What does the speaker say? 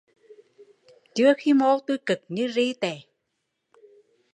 Chưa khi mô tui cực như ri